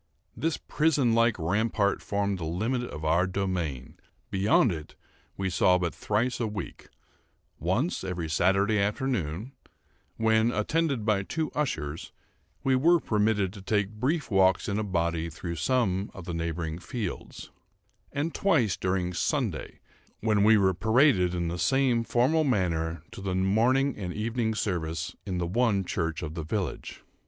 This prison like rampart formed the limit of our domain; beyond it we saw but thrice a week—once every Saturday afternoon, when, attended by two ushers, we were permitted to take brief walks in a body through some of the neighbouring fields—and twice during Sunday, when we were paraded in the same formal manner to the morning and evening service in the one church of the village.